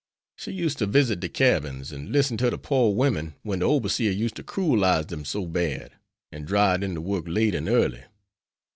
She used to visit de cabins, an' listen to de pore women when de overseer used to cruelize dem so bad, an' drive dem to work late and early.